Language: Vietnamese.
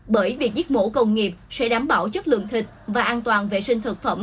bởi việc giết mổ công nghiệp sẽ đảm bảo chất lượng thịt và an toàn vệ sinh thực phẩm